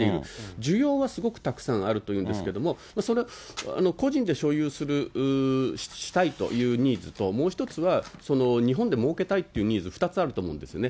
需要はすごくたくさんあるというんですけれども、個人で所有する、したいというニーズと、もう一つは日本で儲けたいというニーズ、２つあると思うんですよね。